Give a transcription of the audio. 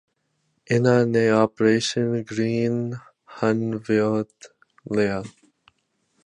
ਇਨ੍ਹਾਂ ਨੇ operation green hunt ਵਿਉਂਤ ਲਿਆ